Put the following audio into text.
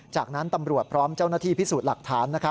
จากนั้นตำรวจพร้อมเจ้าหน้าที่พิสูจน์หลักฐาน